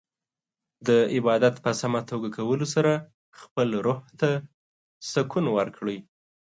د عبادت په سمه توګه کولو سره خپل روح ته سکون ورکړئ.